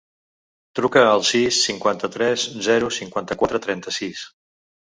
Truca al sis, cinquanta-tres, zero, cinquanta-quatre, trenta-sis.